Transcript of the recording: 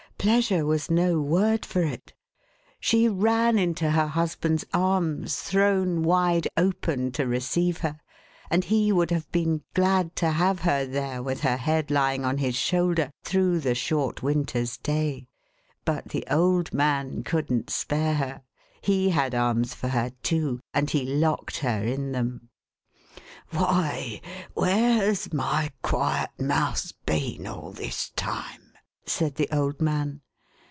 Pleasure was no word for it. She ran 514, THE HAUNTED MAN. into her husband's arms, thrown wide open to receive her, and he would have been glad to have her there, with her head lying on his shoulder, through the short winter's day. But the old man couldn't spare her. He had arms for her too, and he locked her in them. "Why, where has my quiet Mouse been all this time?" said the old man.